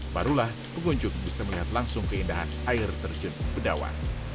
barulah pengunjung bisa melihat langsung keindahan air terjun bedawa